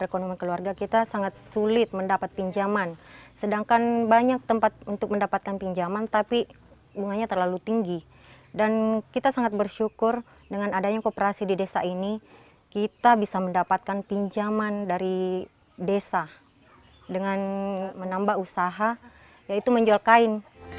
kita bisa mendapatkan pinjaman dari desa dengan menambah usaha yaitu menjual kain